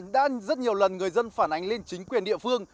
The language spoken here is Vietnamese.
đã rất nhiều lần người dân phản ánh lên chính quyền địa phương